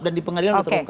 dan di pengadilan terungkap